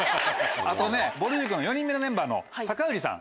あとねぼる塾の４人目のメンバーの酒寄さん